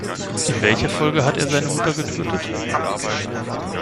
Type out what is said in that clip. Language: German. In welcher Folge hat er seine Mutter getötet?